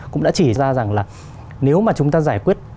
cũng đã chỉ ra rằng là nếu mà chúng ta giải quyết